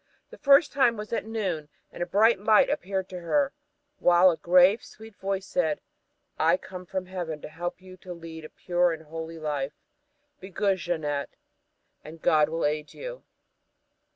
The first time was at noon and a bright light appeared to her, while a grave, sweet voice said, "I come from Heaven to help you to lead a pure and holy life. Be good, Jeannette, and God will aid you."